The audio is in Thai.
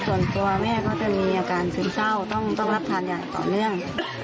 ส่วนตัวแม่ก็จะมีอาการซึมเศร้าต้องรับทานอย่างต่อเนื่อง